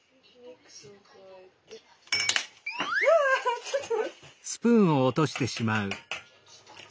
わちょっと。